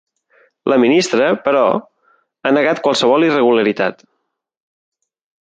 La ministra, però, ha negat qualsevol irregularitat.